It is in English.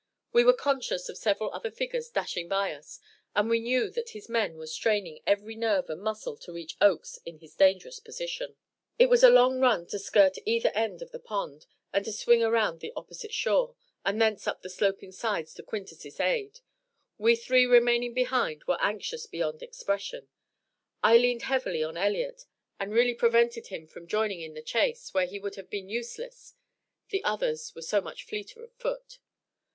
We were conscious of several other figures dashing by us, and we knew that his men were straining every nerve and muscle to reach Oakes in his dangerous position. It was a long run to skirt either end of the pond, and to swing around the opposite shore, and thence up the sloping sides to Quintus's aid. We three remaining behind were anxious beyond expression. I leaned heavily on Elliott, and really prevented him from joining in the chase, where he would have been useless; the others were so much fleeter of foot.